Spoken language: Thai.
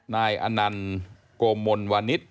นายอนันดิ์โกมนวานิท